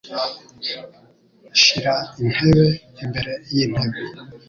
Shira intebe imbere yintebe.